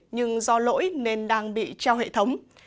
nhưng do lỗi nên đang bị treo hệ thống